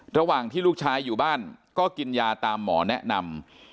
ระหว่างที่ลูกชายอยู่บ้านก็กินยาตามหมอแนะนำ